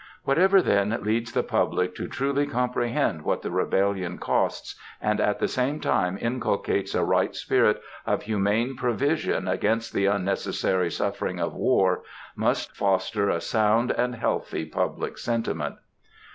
Whatever, then, leads the public to truly comprehend what the rebellion costs, and at the same time inculcates a right spirit of humane provision against the unnecessary suffering of war, must foster a sound and healthy public sentiment.